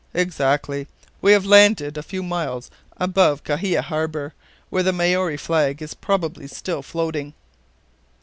"Exactly. We have landed a few miles above Kawhia harbor, where the Maori flag is probably still floating."